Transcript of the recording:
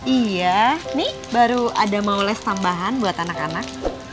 iya nih baru ada mau les tambahan buat anak anak